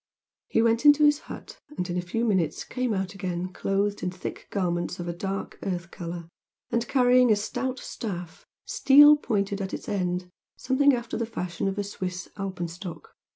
He went into his hut, and in a few minutes came out again clothed in thick garments of a dark, earth colour, and carrying a stout staff, steel pointed at its end something after the fashion of a Swiss alpenstock.